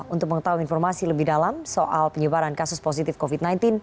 untuk mengetahui informasi lebih dalam soal penyebaran kasus positif covid sembilan belas